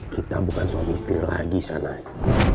kita bukan suami istri lagi sanas